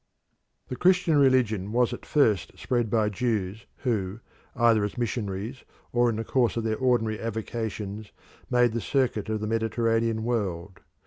The Christian religion was at first spread by Jews who, either as missionaries or in the course of their ordinary avocations, made the circuit of the Mediterranean world.